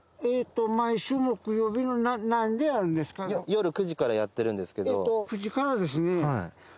夜９時からやってるんですけど。